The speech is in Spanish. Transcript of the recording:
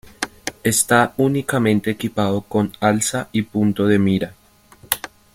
Está únicamente equipado con alza y punto de mira.